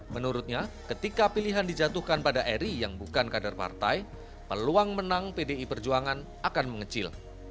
menurutnya ketika pilihan dijatuhkan pada eri yang bukan kader partai peluang menang pdi perjuangan akan mengecil